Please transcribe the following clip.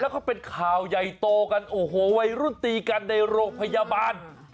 แล้วก็เป็นข่าวใหญ่โตกันโอ้โหวัยรุ่นตีกันในโรงพยาบาล